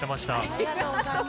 ありがとうございます。